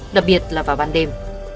đặc biệt là vào ban đêm